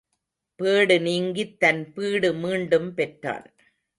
Pad நீங்கித் தன் பீடு மீண்டும் பெற்றான்.